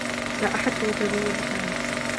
لا أحد سيتزوّج سامي.